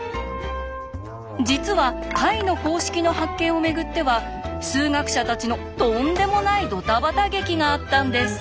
実は解の公式の発見をめぐっては数学者たちのとんでもないドタバタ劇があったんです。